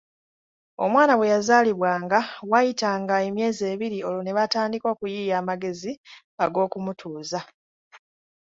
Omwana bwe yazaalibwanga, waayitanga emyezi ebiri olwo ne batandika okuyiiya amagezi ag’okumutuuza.